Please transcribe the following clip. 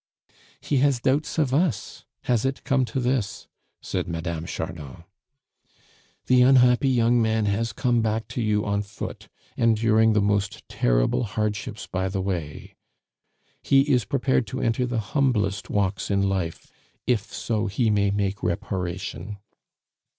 "He has doubts of us; has it come to this?" said Mme. Chardon. "The unhappy young man has come back to you on foot, enduring the most terrible hardships by the way; he is prepared to enter the humblest walks in life if so he may make reparation."